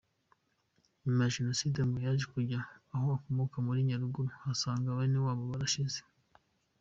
Nyuma ya jenoside ngo yaje kujya aho akomoka muri Nyaruguru, asanga benewabo barashize.